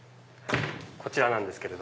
こちらなんですけど。